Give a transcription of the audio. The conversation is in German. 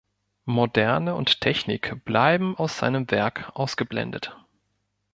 Moderne und Technik bleiben aus seinem Werk ausgeblendet.